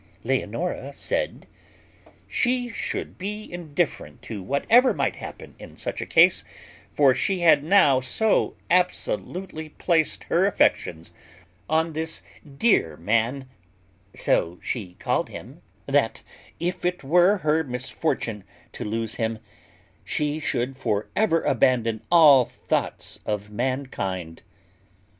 Leonora said, "She should be indifferent to whatever might happen in such a case; for she had now so absolutely placed her affections on this dear man (so she called him), that, if it was her misfortune to lose him, she should for ever abandon all thoughts of mankind."